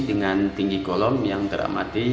dengan tinggi kolom yang teramati